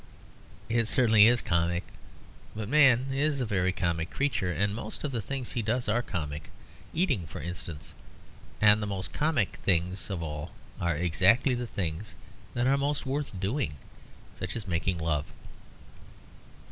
It certainly is comic; but man is a very comic creature, and most of the things he does are comic eating, for instance. And the most comic things of all are exactly the things that are most worth doing such as making love.